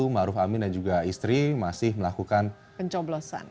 maruf amin dan juga istri masih melakukan pencoblosan